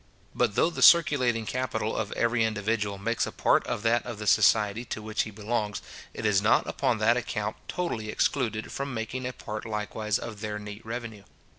But though the circulating capital of every individual makes a part of that of the society to which he belongs, it is not upon that account totally excluded from making a part likewise of their neat revenue.